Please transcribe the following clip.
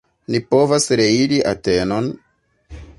Ni povas reiri Atenon!